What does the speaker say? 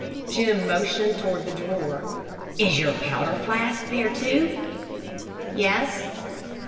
Jim motioned toward the drawer. "Is your powder flask there, too?" "Yes."